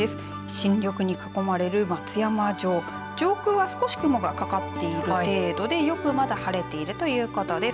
新緑に囲まれる松山城上空は少し雲がかかっている程度でよくまだ晴れているということです。